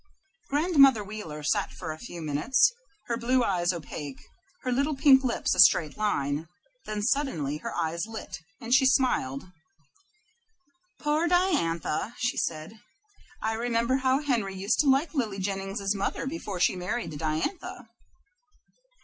Grandmother Wheeler sat for a few minutes, her blue eyes opaque, her little pink lips a straight line; then suddenly her eyes lit, and she smiled. "Poor Diantha," said she, "I remember how Henry used to like Lily Jennings's mother before he married Diantha.